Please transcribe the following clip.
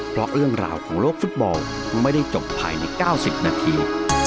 เพราะเรื่องราวของโลกฟุตบอลไม่ได้จบภายใน๙๐นาที